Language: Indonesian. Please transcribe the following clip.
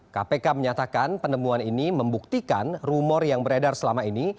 kpk menyatakan penemuan ini membuktikan rumor yang beredar selama ini